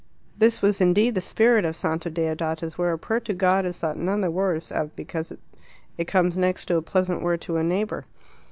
This was indeed the spirit of Santa Deodata's, where a prayer to God is thought none the worse of because it comes next to a pleasant word to a neighbour.